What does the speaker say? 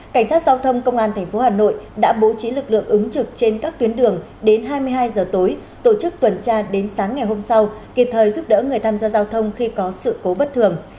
cảnh sát giao thông công an tp hà nội đã bố trí lực lượng ứng trực trên các tuyến đường đến hai mươi hai giờ tối tổ chức tuần tra đến sáng ngày hôm sau kịp thời giúp đỡ người tham gia giao thông khi có sự cố bất thường